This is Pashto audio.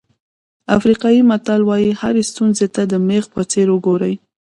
افریقایي متل وایي هرې ستونزې ته د مېخ په څېر وګورئ.